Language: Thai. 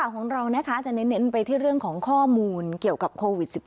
ของเรานะคะจะเน้นไปที่เรื่องของข้อมูลเกี่ยวกับโควิด๑๙